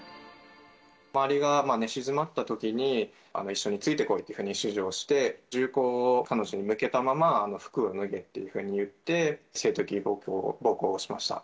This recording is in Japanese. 周りが寝静まったときに、一緒についてこいというふうに指示をして、銃口を彼女に向けたまま服を脱げというふうに言って、性的暴行をしました。